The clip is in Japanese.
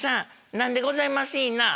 何でございましいな？